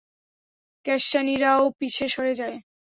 গাসসানীরাও পিছে সরে যায়।